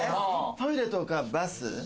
トイレとかバス？